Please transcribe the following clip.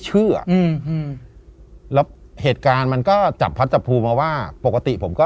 เชื่อแล้วเหตุการณ์มันก็จับภัดจบภูมิมาว่าปกติผมก็